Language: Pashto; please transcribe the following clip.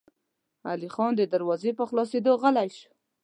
علی خان د دروازې په خلاصېدو غلی شو.